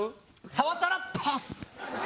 触ったらパッ！